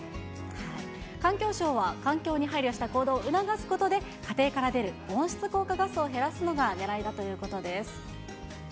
環境省は、環境に配慮した行動を促すことで、家庭から出る温室効果ガスを減らすのがねらいだということです。